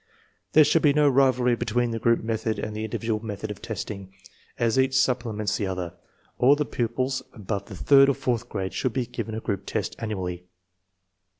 There should be no rivalry between the group method and the individual method of testing, as each supple ments the other. All the pupils above the third or fourth grade should be given a group test annually.